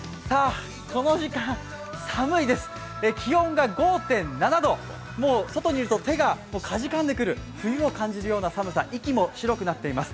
この時間、寒いです、気温が５．７度もう外にいると手がかじかんでくる冬を感じさせるような寒さ、息も白くなっています。